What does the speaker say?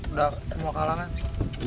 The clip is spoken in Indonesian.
udah semua kalangan